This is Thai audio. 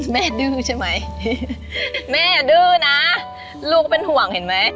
แม่ดื้อใช่ไหมแม่อย่าดื้อนะลูกเป็นห่วงเห็นไหม